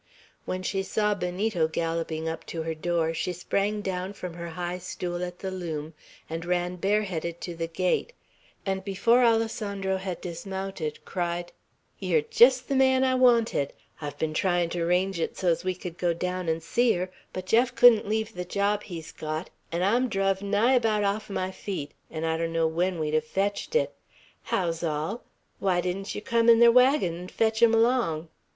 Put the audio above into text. When she saw Benito galloping up to her door, she sprang down from her high stool at the loom, and ran bareheaded to the gate, and before Alessandro had dismounted, cried: "Ye're jest the man I wanted; I've been tryin' to 'range it so's we could go down 'n' see yer, but Jeff couldn't leave the job he's got; an' I'm druv nigh abaout off my feet, 'n' I donno when we'd hev fetched it. How's all? Why didn't yer come in ther wagon 'n' fetch 'em 'long?